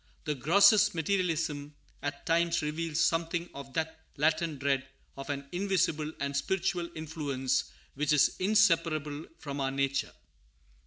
The grossest materialism, at times, reveals something of that latent dread of an invisible and spiritual influence which is inseparable from our nature.